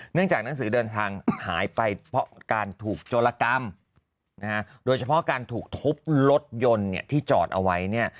จากหนังสือเดินทางหายไปเพราะการถูกโจรกรรมนะฮะโดยเฉพาะการถูกทุบรถยนต์เนี่ยที่จอดเอาไว้เนี่ย